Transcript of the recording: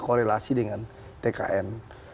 korelasi dengan tkn